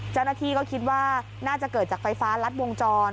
เจ้าหน้าที่ก็คิดว่าน่าจะเกิดจากไฟฟ้ารัดวงจร